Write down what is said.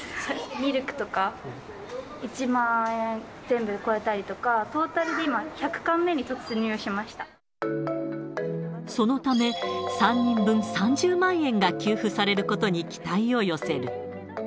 ミルクとか、１万円、全部で超えたりとか、トータルで今、そのため、３人分３０万円が給付されることに期待を寄せる。